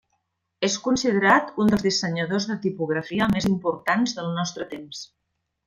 És considerat un dels dissenyadors de tipografia més importants del nostre temps.